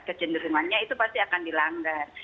kecenderungannya itu pasti akan dilanggar